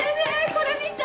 これ見た？